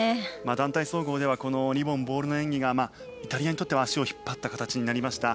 団体総合ではリボン・ボールの演技がイタリアにとっては足を引っ張った形になりました。